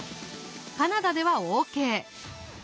カナダではＯＫ！